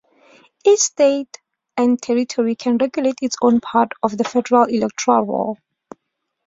Each state and territory can regulate its own part of the federal electoral roll.